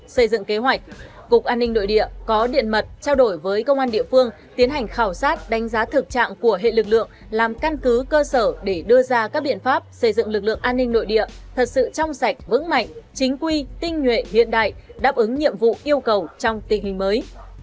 xây dựng kế hoạch cục an ninh nội địa có điện mật trao đổi với công an địa phương tiến hành khảo sát đánh giá thực trạng của hệ lực lượng làm căn cứ cơ sở để đưa ra các biện pháp xây dựng lực lượng an ninh nội địa thật sự trong sạch vững mạnh chính quy tinh nhuệ hiện đại đáp ứng nhiệm vụ yêu cầu trong tình hình mới